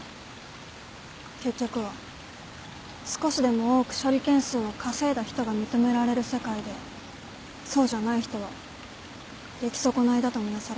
結局は少しでも多く処理件数を稼いだ人が認められる世界でそうじゃない人は出来損ないだと見なされる。